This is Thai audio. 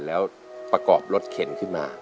แล้วประกอบรถเข็นขึ้นมา